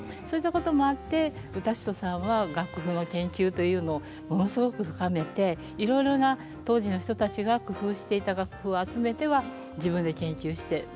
そういったこともあって雅楽之都さんは楽譜の研究というのをものすごく深めていろいろな当時の人たちが工夫していた楽譜を集めては自分で研究して。